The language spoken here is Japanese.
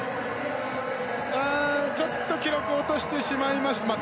ちょっと記録を落としてしまいましたね。